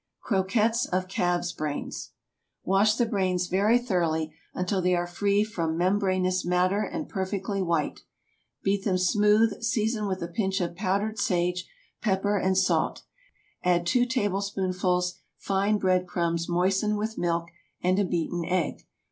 CROQUETTES OF CALF'S BRAINS. Wash the brains very thoroughly until they are free from membranous matter and perfectly white. Beat them smooth; season with a pinch of powdered sage, pepper, and salt. Add two tablespoonfuls fine bread crumbs moistened with milk, and a beaten egg.